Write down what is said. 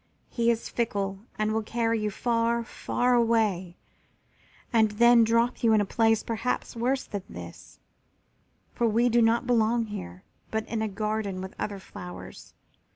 He is fickle and will carry you far, far away and then drop you in a place perhaps worse than this, for we do not belong here, but in a garden with other flowers.